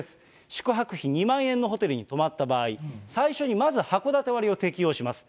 宿泊費２万円のホテルに泊まった場合、最初にまずはこだて割を適用します。